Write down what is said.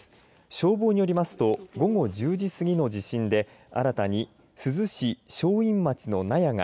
消防によりますと午後１０時過ぎの地震で新たに珠洲市しょういん町の納屋が